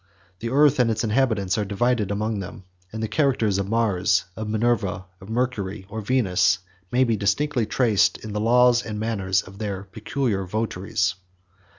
The earth and its inhabitants are divided among them, and the characters of Mars or Minerva, of Mercury or Venus, may be distinctly traced in the laws and manners of their peculiar votaries.